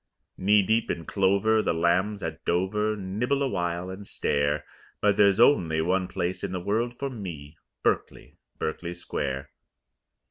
Knee deep in clover the lambs at Dover Nibble awhile and stare; But there's only one place in the world for me, Berkeley Berkeley Square.